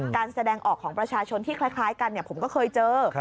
การแสดงออกของประชาชนที่คล้ายกันผมก็เคยเจอ